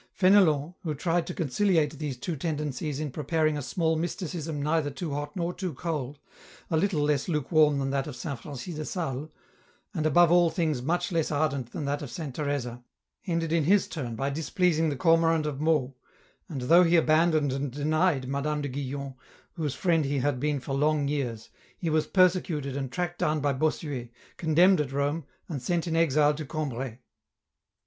EN ROUTE. 273 Fenelon, who tried to conciliate these two tendencies in preparing a small Mysticism neither too hot nor too cold, a little less lukewarm than that of Saint Francis de Sales, and above all things much less ardent than that of Saint Teresa, ended in his turn by displeasing the cormorant of Meaux, and though he abandoned and denied Madame de Guyon, whose friend he had been for long years, he was persecuted and tracked down by Bossuet, condemned at Rome, and sent in exile to Cambrai.